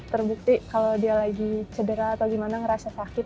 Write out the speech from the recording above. terbukti kalau dia lagi cedera atau gimana ngerasa sakit